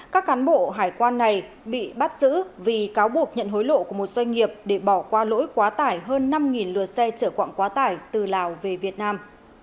các cán bộ hải quan này bị bắt giữ vì cáo buộc nhận hối lộ của một doanh nghiệp để bỏ qua lỗi quá tải hơn năm lượt xe chở quá tải từ lào về việt nam